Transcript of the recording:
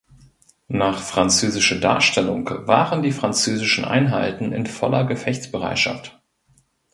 Nach französischer Darstellung waren die französischen Einheiten in voller Gefechtsbereitschaft.